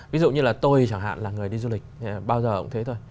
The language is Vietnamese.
ví dụ như là tôi chẳng hạn là người đi du lịch bao giờ cũng thế thôi